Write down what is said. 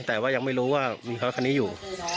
แต่ว่ายังไม่รู้ว่ามีรถคันนี้อยู่